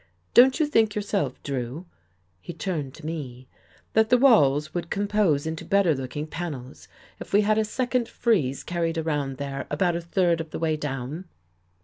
Don't you think yourself. Drew," he turned to me, " that the walls would compose into better looking panels, if we had a second frieze car ried around there about a third of the way down?